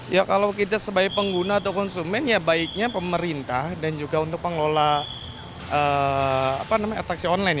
ya kalau kita sebagai pengguna atau konsumen ya baiknya pemerintah dan juga untuk pengelola taksi online